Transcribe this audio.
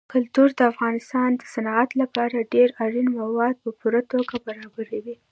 کلتور د افغانستان د صنعت لپاره ډېر اړین مواد په پوره توګه برابروي.